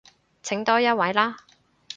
請多一位啦